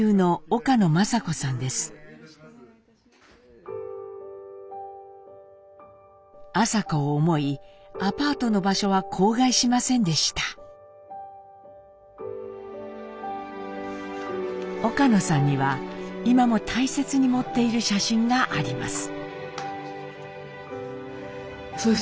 岡野さんには今も大切に持っている写真があります。